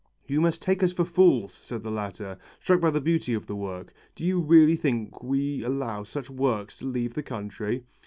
"You must take us for fools," said the latter, struck by the beauty of the work. "Do you really think we allow such works to leave the country?"